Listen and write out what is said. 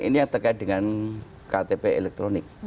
ini yang terkait dengan ktp elektronik